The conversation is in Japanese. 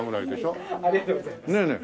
ありがとうございます。